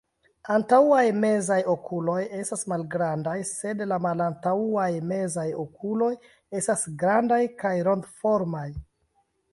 Antaŭaj mezaj okuloj estas malgrandaj, sed la malantaŭaj mezaj okuloj estas grandaj kaj rondoformaj.